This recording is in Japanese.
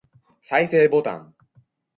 再生ボタン